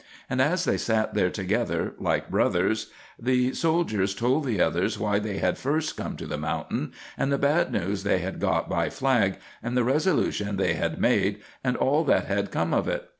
And as they sat there together like brothers, the soldiers told the others why they had first come to the mountain, and the bad news they had got by flag, and the resolution they had made, and all that had come of it.